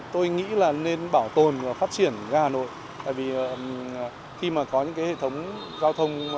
tôi nghĩ là nên bảo tồn và phát triển ga hà nội tại vì khi mà có những cái hệ thống giao thông